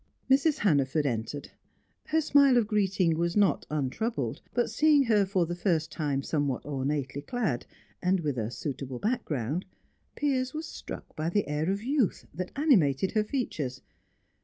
Mrs. Hannaford entered. Her smile of greeting was not untroubled, but seeing her for the first time somewhat ornately clad, and with suitable background, Piers was struck by the air of youth that animated her features.